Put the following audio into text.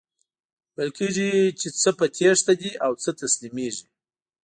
ویل کیږي چی څه په تیښته دي او څه تسلیمیږي.